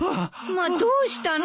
まあどうしたの？